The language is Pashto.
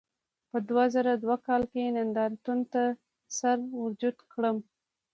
په دوه زره دوه کال کې نندارتون ته سر ورجوت کړم.